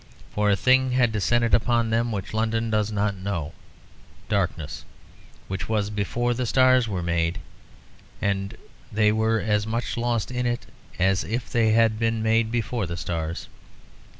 For a thing had descended upon them which London does not know darkness, which was before the stars were made, and they were as much lost in it as if they had been made before the stars.